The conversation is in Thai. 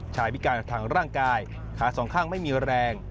พิการทางร่างกายขาสองข้างไม่มีแรง